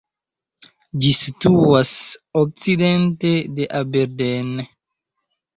Ĝi situas okcidente de Aberdeen.